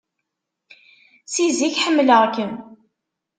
Si zik ḥemmleɣ-kem.